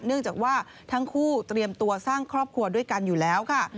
เนื่องจากว่าทั้งคู่เตรียมตัวสร้างครอบครัวด้วยกันอยู่แล้วค่ะ